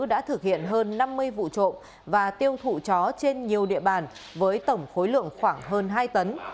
đã thực hiện hơn năm mươi vụ trộm và tiêu thụ chó trên nhiều địa bàn với tổng khối lượng khoảng hơn hai tấn